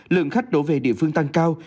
lượng khách đổ về địa phương tăng cao